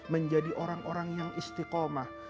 menjadi orang orang yang istiqomah